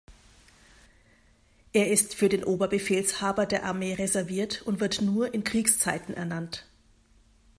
Er ist für den Oberbefehlshaber der Armee reserviert und wird nur in Kriegszeiten ernannt.